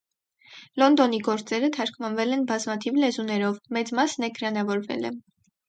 Լոնդոնի գործերը թարգմանվել են բազմաթիվ լեզուներով, մեծ մասն էկրանավորվել է։